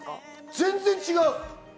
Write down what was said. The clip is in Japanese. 全然違う。